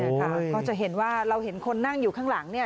ใช่ค่ะก็จะเห็นว่าเราเห็นคนนั่งอยู่ข้างหลังเนี่ย